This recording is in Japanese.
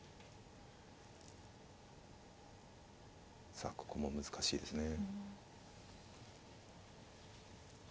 さあここも難しいですね。